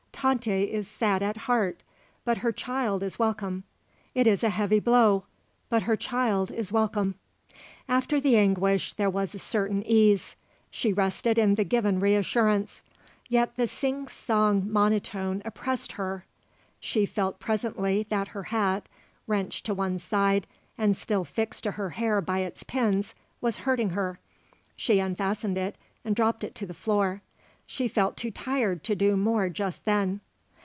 "Tante is sad at heart. But her child is welcome. It is a heavy blow. But her child is welcome." After the anguish there was a certain ease. She rested in the given reassurance. Yet the sing song monotone oppressed her. She felt presently that her hat, wrenched to one side, and still fixed to her hair by its pins, was hurting her. She unfastened it and dropped it to the floor. She felt too tired to do more just then.